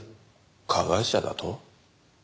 加害者だと？